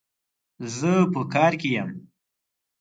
زه په کار کي يم